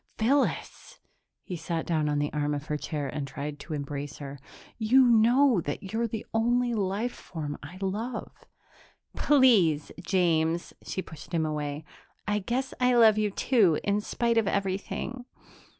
"Phyllis " he sat down on the arm of her chair and tried to embrace her "you know that you're the only life form I love." "Please, James." She pushed him away. "I guess I love you, too, in spite of everything